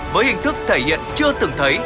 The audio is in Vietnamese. với hình thức thể hiện chưa từng thấy